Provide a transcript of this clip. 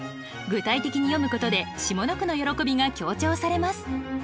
具体的に詠むことで下の句の喜びが強調されます。